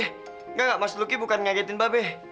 enggak enggak mas luki bukan ngagetin mbak be